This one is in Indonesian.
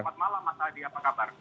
selamat malam mas adi apa kabar